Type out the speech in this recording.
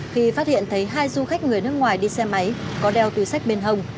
khi phát hiện thấy hai du khách người nước ngoài đi xe máy có đeo túi sách bên hồng